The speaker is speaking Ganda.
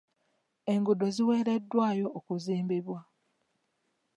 Enguudo ziweereddwayo okuzimbibwa.